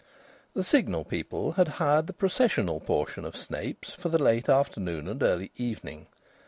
The Signal people had hired the processional portion of Snape's for the late afternoon and early evening.